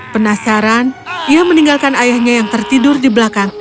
penasaran ia meninggalkan ayahnya yang tertidur di belakang